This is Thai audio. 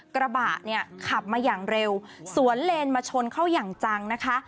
กระบะเนี่ยขับมาอย่างเร็วสวนเลนมาชนเข้าอย่างจังนะคะ